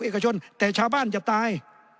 เอกชนแต่ชาวบ้านจะตาย